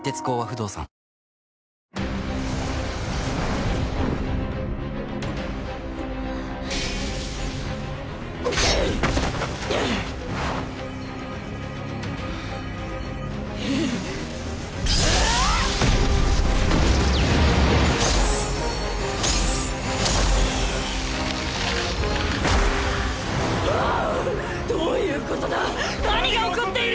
はあっどういうことだ何が起こっている？